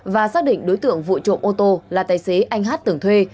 và xác định đối tượng vụ trộm ô tô là tài xế anh hát tưởng thuê